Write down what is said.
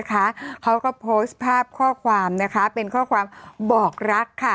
เขาก็โพสภาพข้อความเป็นข้อความบอกรัก